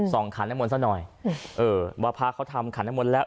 ส่องขันให้หมดซะหน่อยเออวาพาเขาทำขันให้หมดแล้ว